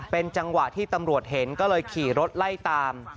เป็นจังหวะที่ตำรวจเห็นก็เลยขี่รถไล่ตาม